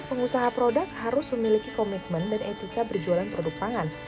pengusaha produk harus memiliki komitmen dan etika berjualan produk pangan